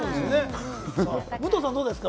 武藤さんはどうですか？